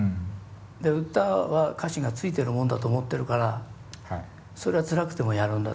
で歌は歌詞がついてるもんだと思ってるからそれはつらくてもやるんだと。